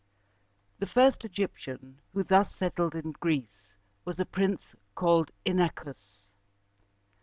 The first Egyptian who thus settled in Greece was a prince called In´a chus.